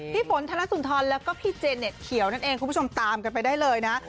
พี่ฝนธนสุนทรแล้วก็พี่เจเน็ตเขียวนั่นเองคุณผู้ชมตามกันไปได้เลยนะ